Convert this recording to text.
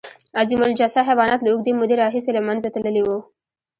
عظیم الجثه حیوانات له اوږدې مودې راهیسې له منځه تللي وو.